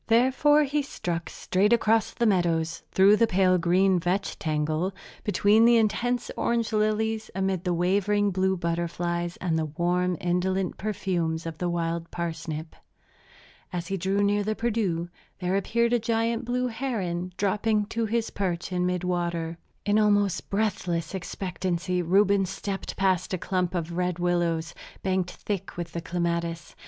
Therefore he struck straight across the meadows, through the pale green vetch tangle, between the intense orange lilies, amid the wavering blue butterflies and the warm, indolent perfumes of the wild parsnip. As he drew near the Perdu there appeared the giant blue heron, dropping to his perch in mid water. In almost breathless expectancy Reuben stepped past a clump of red willows, banked thick with clematis.